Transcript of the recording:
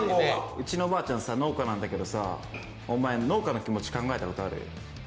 うちのばあちゃんさ、農家なんだけどさ、お前農家の気持ち考えたことある？